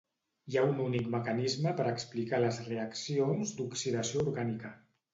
Hi ha un únic mecanisme per explicar les reaccions d'oxidació orgànica.